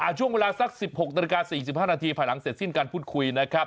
ช่วงเวลาสัก๑๖นาฬิกา๔๕นาทีภายหลังเสร็จสิ้นการพูดคุยนะครับ